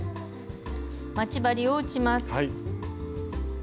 待ち針を打ちます。